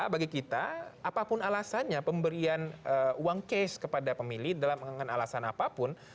bagi kita apapun alasannya pemberian uang case kepada pemilih dalam alasan apapun